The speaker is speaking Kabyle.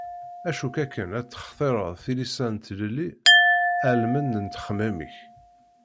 Acu-k akken ad textireḍ tilisa n tlelli almend n ttexmam-ik?